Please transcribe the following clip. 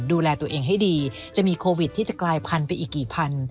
ดูแลตัวเองให้ดีจะมีโควิดที่จะกลายพันธุไปอีกกี่พัน